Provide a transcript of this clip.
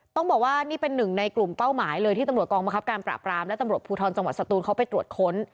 ต้องบอกว่านี่เป็นหนึ่งในกลุ่มเป้าหมายเลยที่ตำรวจกองบังคับการปราบรามและตำรวจภูทรจังหวัดสตูนเขาไปตรวจค้น